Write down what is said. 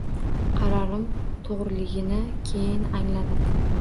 Qarorim to‘g‘riligini keyin angladim.